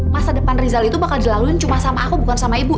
masa depan rizal itu bakal dilaluin cuma sama aku bukan sama ibu